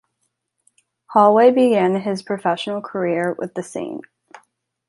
Holway began his professional career with the St.